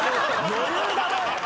余裕だね！